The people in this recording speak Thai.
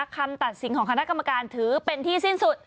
คำตัดสินของคณะกรรมการถือเป็นที่สิ้นสุด